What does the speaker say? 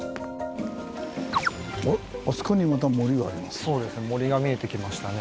あそこにまた森がありますね。